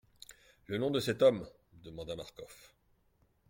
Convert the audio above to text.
Le nom de cet homme ? demanda Marcof.